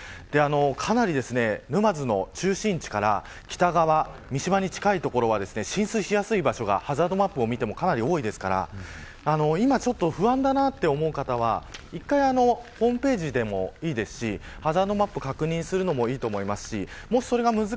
かなり、沼津の中心地から北側、三島に近い所は浸水しやすい場所がハザードマップを見ても多いですから今不安だなと思う方は１回ホームページでもいいですしハザードマップを確認するのもいいと思います。